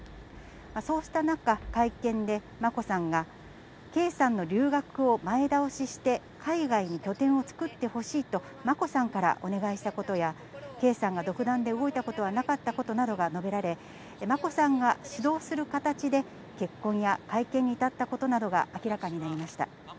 そうした中、会見で眞子さんが、圭さんの留学を前倒しして、海外に拠点を作ってほしいと眞子さんからお願いしたことや、圭さんが独断で動いたことはなかったことなどが述べられ、眞子さんが主導する形で結婚や会見に至ったことなどが明らかになりました。